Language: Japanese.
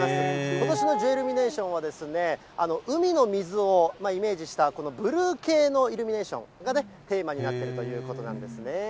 ことしのジュエルミネーションは、海の水をイメージしたこのブルー系のイルミネーションがテーマになっているということなんですね。